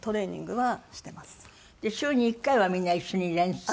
週に１回はみんな一緒に練習。